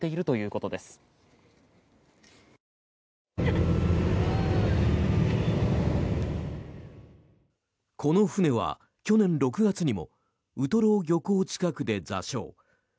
この船は去年６月にもウトロ漁港近くで座礁。